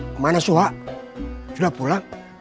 kemana suha sudah pulang